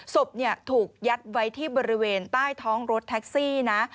ศพถูกยัดไว้ที่บริเวณใต้ท้องรถแท็กซี่นะ